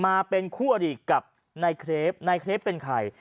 มาเป็นคู่อดีตกับนายเครปนายเครปเป็นใคร